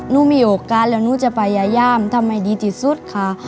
หนูมีโอกาสแล้วหนูจะไปยาย่ามทำไมดีที่สุดค่ะ